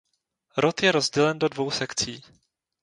Rod je rozdělen do dvou sekcí.